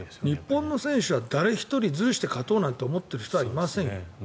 日本の選手は誰一人ずるして勝とうなんて思ってる人はいませんよ。